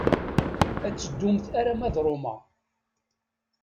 Ad teddumt arma d Roma.